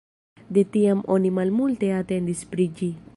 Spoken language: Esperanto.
De tiam oni malmulte atentis pri ĝi.